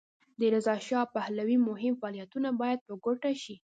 د رضاشاه پهلوي مهم فعالیتونه باید په ګوته شي.